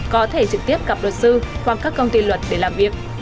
có thể trực tiếp gặp luật sư hoặc các công ty luật để làm việc